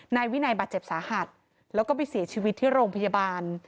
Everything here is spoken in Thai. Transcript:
นายวินัยบาดเจ็บสาหัสแล้วก็ไปเสียชีวิตที่โรงพยาบาล